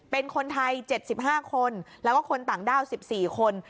เป็นคนไทย๗๕คนแล้วก็คนต่างด้าว๑๔คน